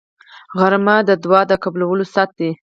غرمه د دعا د قبولو ساعت دی